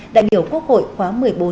đại biểu quốc hội khóa một mươi bốn